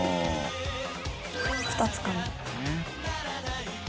２つかみ。